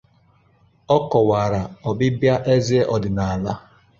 Ọ kọwara ọbịabịa eze ọdịnala